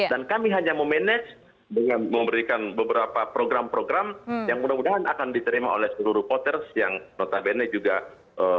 dan kami hanya memanage dengan memberikan beberapa program program yang mudah mudahan akan diterima oleh seluruh poters yang notabene juga poters